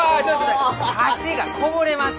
菓子がこぼれます！